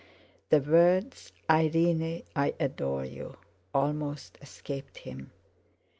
The words: "Irene, I adore you!" almost escaped him.